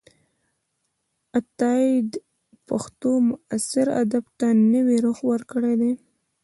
عطاييد پښتو معاصر ادب ته نوې روح ورکړې ده.